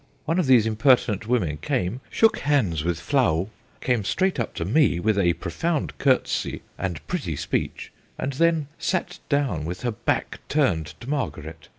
One of these impertinent women came, shook hands with Flahault, came straight up to me with a profound curtsey and pretty speech, and then sat down with her back turned to Margaret.